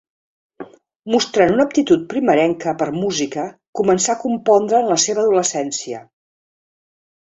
Mostrant una aptitud primerenca per música, començà a compondre en la seva adolescència.